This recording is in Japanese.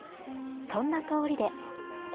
そんな通りで。